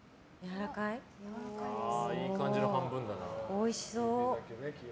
おいしそう。